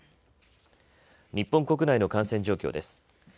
日本国内の感染状況です。